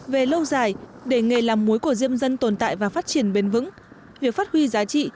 về lâu dài để nghề làm muối của diêm dân tồn tại và phát triển bền vững việc phát huy giá trị